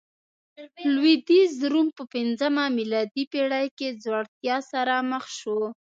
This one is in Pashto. لوېدیځ روم په پنځمه میلادي پېړۍ کې ځوړتیا سره مخ شو